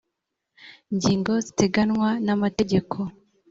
ngingo ziteganywa n amategeko